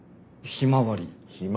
ひまわり？